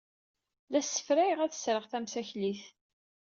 La ssefrayeɣ ad sreɣ tamsaklit.